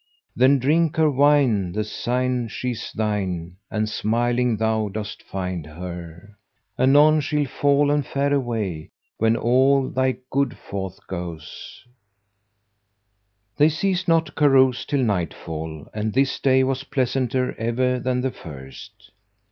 Then drink her wine the syne she's thine and smiling thou dost find her * Anon she'll fall and fare away when all thy good forth goeth." They ceased not to carouse till nightfall and this day was pleasanter even than the first.